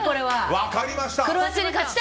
分かりました。